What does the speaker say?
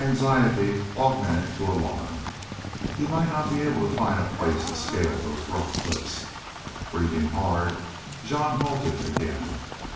Anxiety augmented to alarm. He might not be able to find a place to scale those rough cliffs. Breathing hard, Jean halted again.